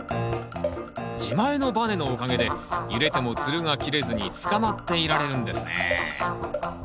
自前のバネのおかげで揺れてもつるが切れずにつかまっていられるんですね